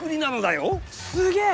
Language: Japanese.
すげえ！